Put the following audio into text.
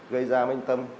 gây ra mênh tâm